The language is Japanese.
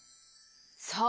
そう。